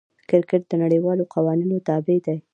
کرکټ د نړۍوالو قوانینو تابع دئ.